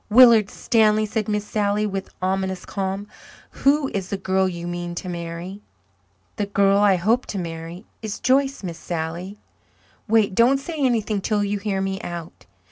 "Willard Stanley," said Miss Sally, with ominous calm, "who is the girl you mean to marry?" "The girl I hope to marry is Joyce, Miss Sally. Wait don't say anything till you hear me out."